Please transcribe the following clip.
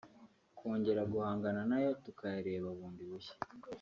kongera guhangana na yo tukayareba bundi bushya